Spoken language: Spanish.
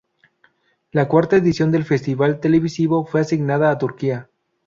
La cuarta edición del festival televisivo fue asignada a Turquía.